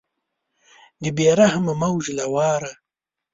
د بې رحمه موج له واره